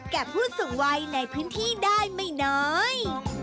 แก่ผู้สุขไวในพื้นที่ได้ไม่น้อย